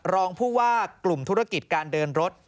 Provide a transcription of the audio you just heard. รองผู้ว่ากลุ่มธุรกิจการเดินรถ